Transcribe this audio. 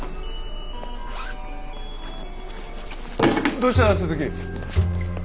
どうした鈴木。